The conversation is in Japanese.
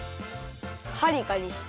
カリカリしてる。